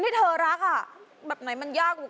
คาถาที่สำหรับคุณ